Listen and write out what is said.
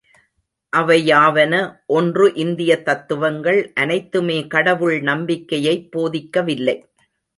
அவை யாவன ஒன்று இந்தியத் தத்துவங்கள் அனைத்துமே கடவுள் நம்பிக்கையைப் போதிக்கவில்லை.